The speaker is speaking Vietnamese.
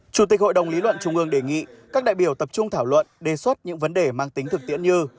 chủ tịch hội đồng lý luận trung ương đề nghị các đại biểu tập trung thảo luận đề xuất những vấn đề mang tính thực tiễn như